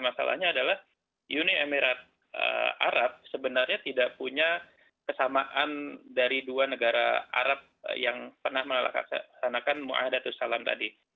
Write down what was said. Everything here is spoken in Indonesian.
masalahnya adalah uni emirat arab sebenarnya tidak punya kesamaan dari dua negara arab yang pernah melaksanakan ⁇ muahadatul salam tadi